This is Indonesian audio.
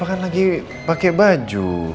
papa kan lagi pakai baju